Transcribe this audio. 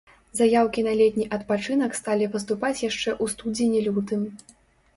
Заяўкі на летні адпачынак сталі паступаць яшчэ ў студзені-лютым.